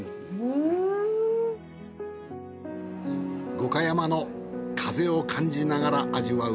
五箇山の風を感じながら味わう